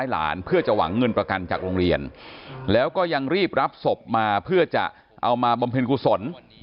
แล้วก็ยังรีบรับศพมาเพื่อจะเอามาบำเพ็ญกุศล